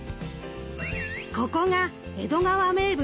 ここが江戸川名物